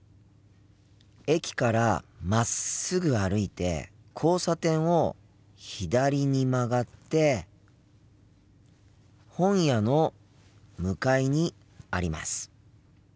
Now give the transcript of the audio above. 駅からまっすぐ歩いて交差点を左に曲がって本屋の向かいにあります。